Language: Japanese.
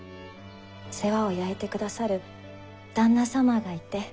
世話を焼いてくださる旦那様がいて。